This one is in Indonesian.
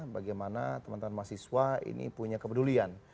bagaimana teman teman mahasiswa ini punya kepedulian